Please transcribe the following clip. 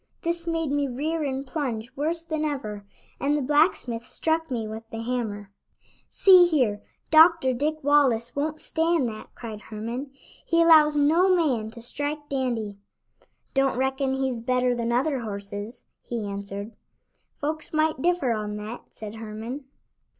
This made me rear and plunge worse than ever, and the blacksmith struck me with the hammer. "See here, Dr. Dick Wallace won't stand that," cried Herman. "He allows no man to strike Dandy." "Don't reckon he's better than other horses," he answered. "Folks might differ on that," said Herman.